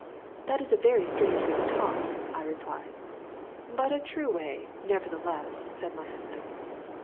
"That is a very strange way to talk," I replied. "But a true way, nevertheless," said my husband.